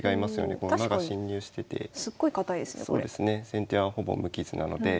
先手はほぼ無傷なので。